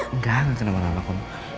enggak gak ada apa apa